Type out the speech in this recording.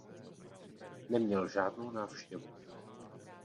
Neměl žádnou návštěvu.